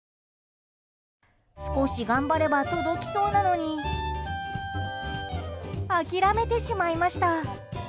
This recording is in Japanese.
少し頑張れば届きそうなのに諦めてしまいました。